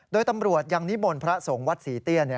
โดยตำรวจยังนิมนต์พระสงฆ์วัดศรีเตี้ย